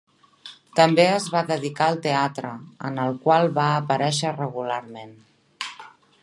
També es va dedicar al teatre, en el qual va aparèixer regularment.